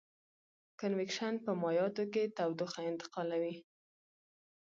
کنویکشن په مایعاتو کې تودوخه انتقالوي.